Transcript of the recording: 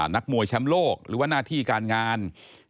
นักมวยแชมป์โลกหรือว่าหน้าที่การงาน